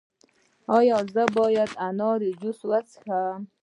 ایا زه باید د انار جوس وڅښم؟